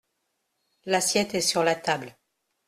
L’assiette est sur la table.